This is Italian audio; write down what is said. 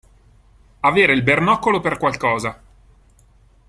Avere il bernoccolo per qualcosa.